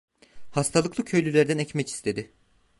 Hastalıklı köylülerden ekmek istedi.